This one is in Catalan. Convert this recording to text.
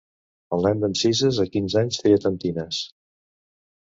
El nen d'en Cises a quinze anys feia tentines.